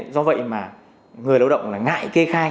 do vậy mà người lao động là ngại kê khai